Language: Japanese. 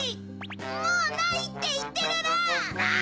もうないっていってるら！